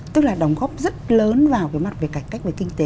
tức là đóng góp rất lớn vào cái mặt về cải cách về kinh tế